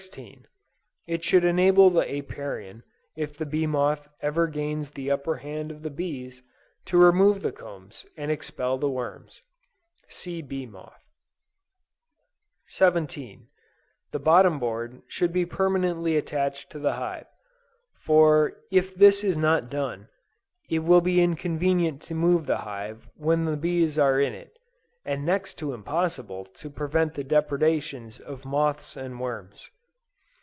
It should enable the Apiarian, if the bee moth ever gains the upper hand of the bees, to remove the combs, and expel the worms. (See Bee Moth.) 17. The bottom board should be permanently attached to the hive; for if this is not done, it will be inconvenient to move the hive when bees are in it, and next to impossible to prevent the depredations of moths and worms.